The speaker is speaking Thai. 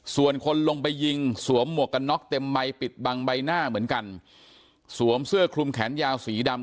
ส่วนคนลงไปยิงสวมหมวกกันน็อกเต็มใบปิดบังใบหน้าเหมือนกันสวมเสื้อคลุมแขนยาวสีดำ